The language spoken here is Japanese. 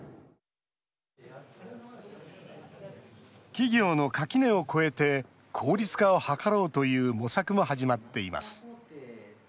企業の垣根を越えて効率化を図ろうという模索も始まっています。